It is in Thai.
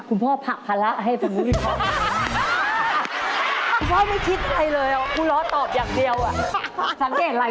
คุณพ่อผักพละให้ผู้วิเคราะห์